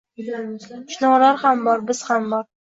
— Chinorlar ham bor... biz ham bor!